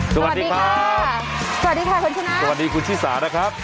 สวัสดีครับสวัสดีค่ะคุณชนะสวัสดีคุณชิสานะครับ